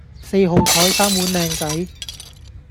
四號枱三碗靚仔